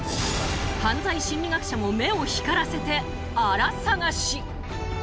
犯罪心理学者も目を光らせてあら探し。